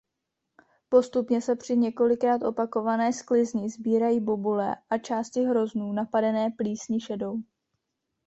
Postupně se při několikrát opakované sklizni sbírají bobule a části hroznů napadené plísní šedou.